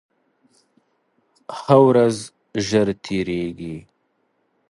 ښه ورځ ژر تېرېږي